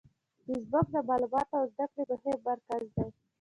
فېسبوک د معلوماتو او زده کړې مهم مرکز دی